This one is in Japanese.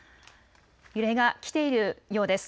揺れが来ているようです。